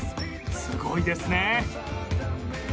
すごいですね！